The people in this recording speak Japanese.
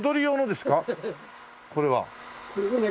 これはね